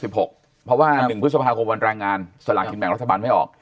เพราะว่า๑พฤษภาคมวันแรงงานสลากกินแบ่งรัฐบาลไม่ออก